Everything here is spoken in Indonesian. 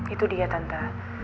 itu dia tante